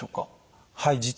はい。